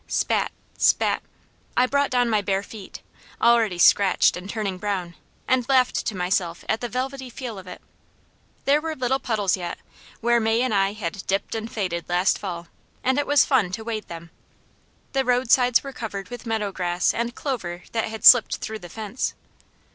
Spat! Spat! I brought down my bare feet, already scratched and turning brown, and laughed to myself at the velvety feel of it. There were little puddles yet, where May and I had "dipped and faded" last fall, and it was fun to wade them. The roadsides were covered with meadow grass and clover that had slipped through the fence.